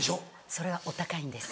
それはお高いんです。